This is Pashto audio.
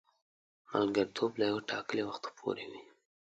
ملګرتوب تر یوه ټاکلي وخته پوري وي.